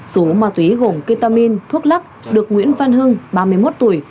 số ma túy gồm ketamin thuốc lắc được nguyễn văn hưng ba mươi một tuổi